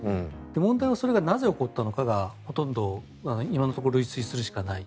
問題はなぜそういうことが起こったのかほとんど今のところ類推するしかない。